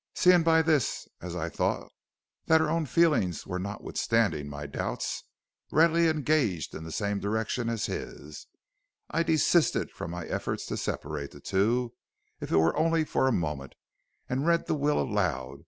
"Seeing by this, as I thought, that her own feelings were, notwithstanding my doubts, really engaged in the same direction as his, I desisted from my efforts to separate the two, if it were only for a moment, and read the will aloud.